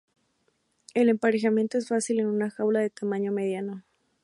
El emparejamiento es fácil en una jaula de tamaño mediano.